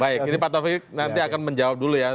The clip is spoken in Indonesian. baik ini pak taufik nanti akan menjawab dulu ya